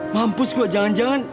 mampus gua jangan jangan